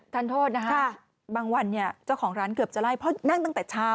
ท่านโทษนะคะบางวันเนี่ยเจ้าของร้านเกือบจะไล่เพราะนั่งตั้งแต่เช้า